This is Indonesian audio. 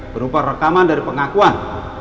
berupa rekaman dari pengakuan